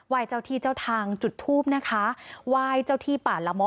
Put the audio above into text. เจ้าที่เจ้าทางจุดทูบนะคะไหว้เจ้าที่ป่าละม้อ